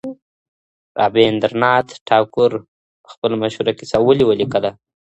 رابیندرانات ټاګور خپله مشهوره کیسه ولې ولیکله؟